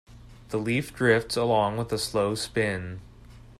The leaf drifts along with a slow spin.